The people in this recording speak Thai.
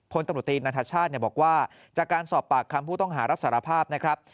พลตำรวจตีนันทชาติบอกว่าจากการสอบปากคำผู้ต้องหารับสารภาพนะครับ